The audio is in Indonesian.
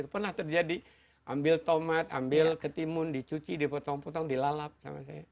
pernah terjadi ambil tomat ambil ketimun dicuci dipotong potong dilalap sama saya